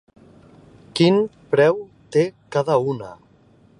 Quin preu té cada una?